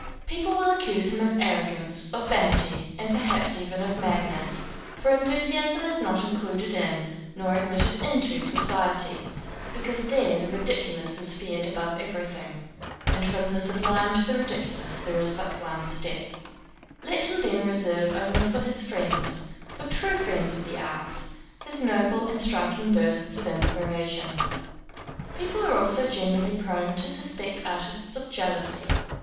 People will accuse him of arrogance, of vanity, and perhaps even of madness; for enthusiasm is not included in, nor admitted into society, because there the ridiculous is feared above everything, and from the sublime to the ridiculous there is but one step. Let him, then, reserve only for his friends, for true friends of the arts, his noble and striking bursts of inspiration. People are also generally prone to suspect artists of jealousy.